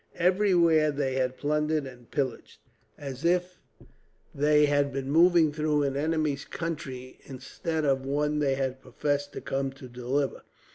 Everywhere they had plundered and pillaged, as if they had been moving through an enemy's country instead of one they had professed to come to deliver.